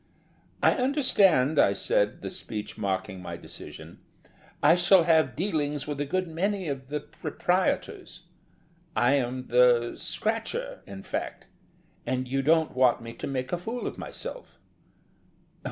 "I understand," I said, the speech marking my decision, "I shall have dealings with a good many of the proprietors I am the scratcher, in fact, and you don't want me to make a fool of myself."